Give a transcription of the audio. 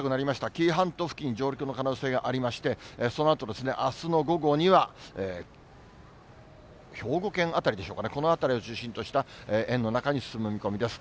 紀伊半島付近に上陸の可能性がありまして、そのあと、あすの午後には、兵庫県辺りでしょうかね、この辺りを中心とした円の中に進む見込みです。